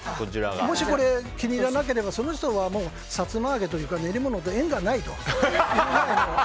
もし、これが気に入らなければその人はもうさつま揚げというか練り物と縁がないと。